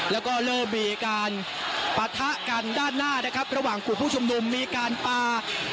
แล้วก็เริ่มมีการปะทะกันด้านหน้านะครับระหว่างกลุ่มผู้ชุมนุมมีการปลา